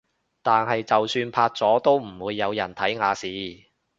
但係就算拍咗都唔會有人睇亞視